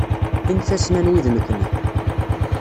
Init-asen anwi d nekni.